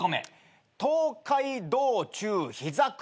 『東海道中膝栗毛』